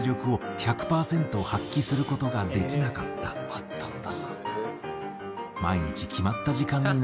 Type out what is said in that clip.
あったんだ。